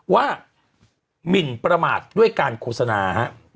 หมินประมาทด้วยการโฆษณา